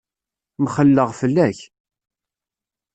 Mxelleɣ fell-ak.